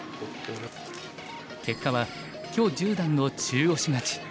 結果は許十段の中押し勝ち。